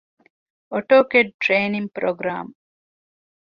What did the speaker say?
އޮޓޯކެޑް ޓްރެއިނިންގ ޕްރޮގްރާމް